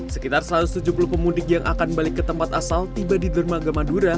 sekitar satu ratus tujuh puluh pemudik yang akan balik ke tempat asal tiba di dermaga madura